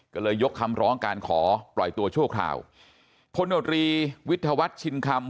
ก็เลยยกคำร้องการขอปล่อยตัวชั่วคราวพลโนตรีวิทยาวัฒน์ชินคำ